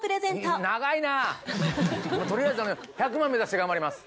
取りあえず１００万目指して頑張ります。